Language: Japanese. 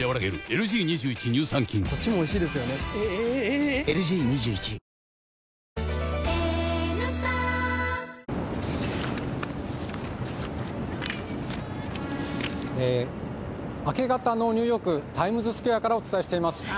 ⁉ＬＧ２１明け方のニューヨークタイムズスクエアからお伝えしています。